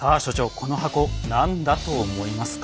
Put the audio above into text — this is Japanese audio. この箱何だと思いますか？